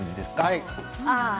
はい。